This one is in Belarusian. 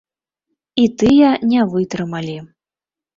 І тыя не вытрымалі.